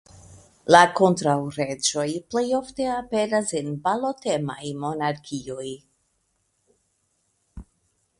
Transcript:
La kontraŭreĝoj plej ofte aperas en balotemaj monarkioj.